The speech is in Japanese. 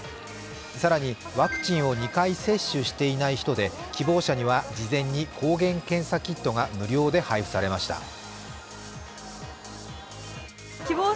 更にワクチンを２回接種していない人で希望者には事前に抗原検査キットが無料で配布されました。